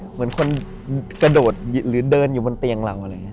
เหมือนคนกระโดดหรือเดินอยู่บนเตียงเราอะไรอย่างนี้